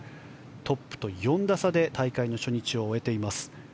トップと４打差で大会初日を終えています。